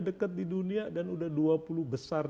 dekat di dunia dan udah dua puluh besar